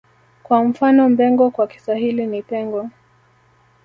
Kwa mfano Mbengo kwa Kiswahili ni Pengo